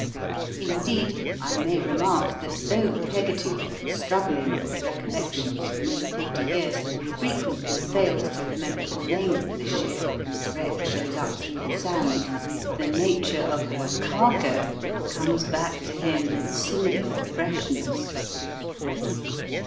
Indeed, I may remark that though Peggotty, struggling with the recollections of nearly fifty years, frequently fails to remember the name of the ship whose wreck shows up through the sand, the nature of her cargo comes back to him with singular freshness.